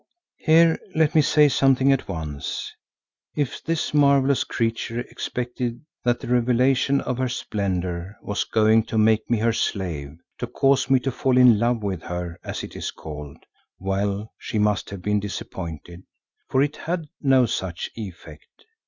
Here let me say something at once. If this marvellous creature expected that the revelation of her splendour was going to make me her slave; to cause me to fall in love with her, as it is called, well, she must have been disappointed, for it had no such effect.